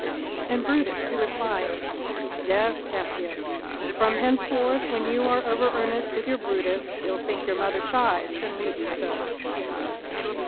And Brutus who replies: "Yes, Cassius, and from henceforth When you are over earnest with your Brutus He'll think your mother chides, and leave you so."